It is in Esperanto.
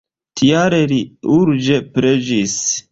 Tial li urĝe preĝis.